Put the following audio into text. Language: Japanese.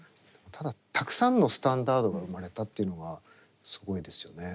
ただたくさんのスタンダードが生まれたっていうのがすごいですよね。